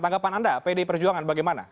tanggapan anda pdi perjuangan bagaimana